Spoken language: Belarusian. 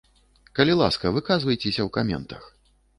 Калі ласка, выказвайцеся ў каментах.